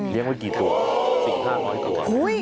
เลี้ยงไว้กี่ตัวสิบห้าน้อยตัว